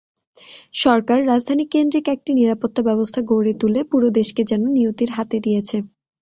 সরকার রাজধানীকেন্দ্রিক একটি নিরাপত্তাব্যবস্থা গড়ে তুলে পুরো দেশকে যেন নিয়তির হাতে দিয়েছে।